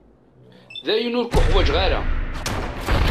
Dayen ur k-uḥwaǧeɣ ara.